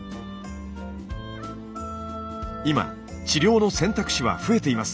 今治療の選択肢は増えています。